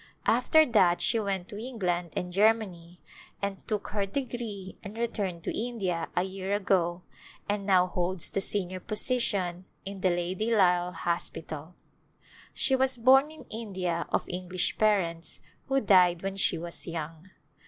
After that she went to England and Germany and took her degree and returned to India Last Days a year ago, and now holds the senior position in the Lady Lyall Hospital. She was born in India of English parents who died when she was young.